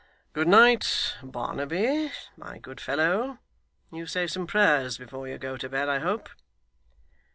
'Good night! Barnaby, my good fellow, you say some prayers before you go to bed, I hope?